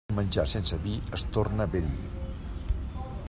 El menjar sense vi es torna verí.